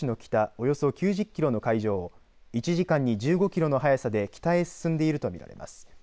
およそ９０キロの海上を１時間に１５キロの速さで北へ進んでいると見られます。